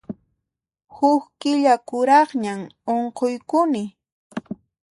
Huk killa kuraqñam unquykuni.